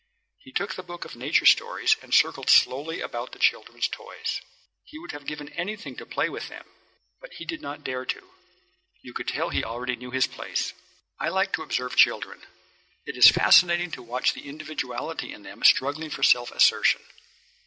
He took the book of nature stories and circled slowly about the children's toys. He would have given anything to play with them. But he did not dare to. You could tell he already knew his place. I like to observe children. It is fascinating to watch the individuality in them struggling for self assertion.